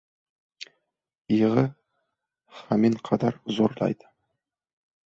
Yig‘i haminqadar zo‘raydi.